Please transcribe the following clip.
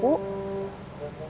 idup kok hanya bualan saja